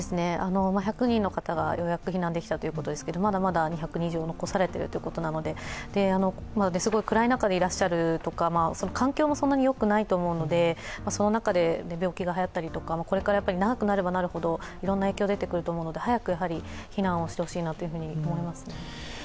１００人の方がようやく避難できたということですけれども、まだまだ２００人以上が残されているということなので暗い中でいらっしゃるとか環境もそんなによくないと思うのでその中で病気がはやったりとか、これから長くなればなるほどいろんな影響が出てくると思うので早く避難してほしいと思います。